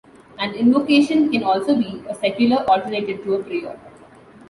An invocation can also be a secular alternative to a prayer.